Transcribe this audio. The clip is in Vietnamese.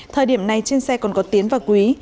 thời điểm này trên xe còn có tiến và quý